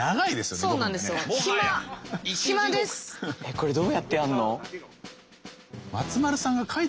これどうやってやるの？